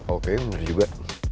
oke bener juga